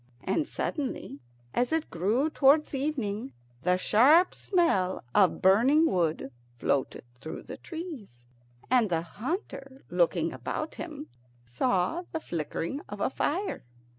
And suddenly, as it grew towards evening, the sharp smell of burning wood floated through the trees, and the hunter, looking about him, saw the flickering of a fire.